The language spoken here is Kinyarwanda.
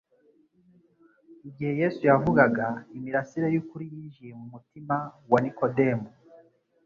Igihe Yesu yavugaga, imirasire y'ukuri yinjiye mu mutima wa Nikodemu.